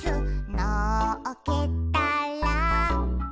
「のっけたら」